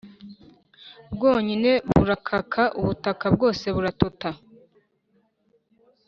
bwonyine burakakara ubutaka bwose buratota